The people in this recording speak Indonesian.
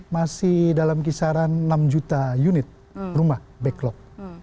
masih dalam kisaran enam juta unit rumah backlog